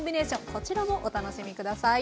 こちらもお楽しみ下さい。